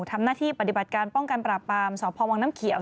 ทำหน้าที่ปฏิบัติการป้องกันปราบปรามสพวังน้ำเขียว